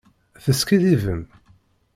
Teskiddibem.